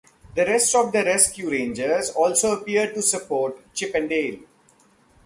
The rest of the Rescue Rangers also appear to support Chip and Dale.